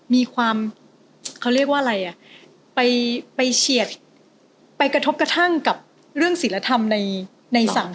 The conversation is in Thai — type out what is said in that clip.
มีความเขาเรียกว่าอะไรไปไปเชียบไปกระทบกระทั่งกับเรื่องสิรรธรรมใน